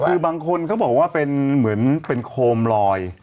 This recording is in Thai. คือบางคนเขาบอกว่าเป็นเหมือนเป็นโคมลอย